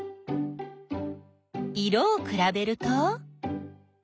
色をくらべると？